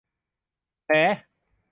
แถ